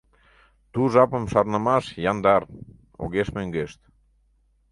Ту жапым шарнымаш — яндар: огеш мӧҥгешт.